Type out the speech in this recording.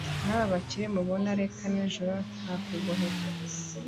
naba bakire mubona reka n’injoro ntakugoheka